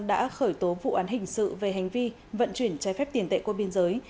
đã khởi tố vụ án hình sự về hành vi vận chuyển trái phép tiền tệ qua biên giới